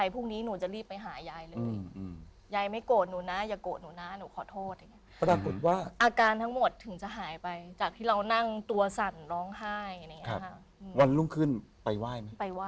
เพราะว่าเราไม่สามารถจะไปตามหายาทได้เลย